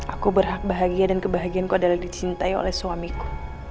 aku berhak bahagia dan kebahagiaanku adalah dicintai oleh suamiku